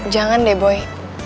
jangan deh boy